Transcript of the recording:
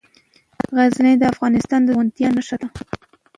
غزني د افغانستان د زرغونتیا نښه ده.